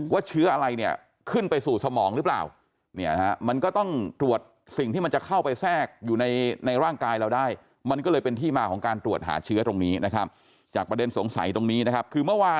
ว่าเชื้ออะไรขึ้นไปสู่สมองหรือเปล่า